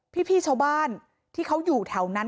พี่ชาวบ้านที่เขาอยู่แถวนั้น